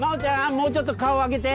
もうちょっと顔上げて。